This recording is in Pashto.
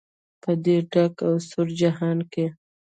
په دې ډک او سوړ جهان کې.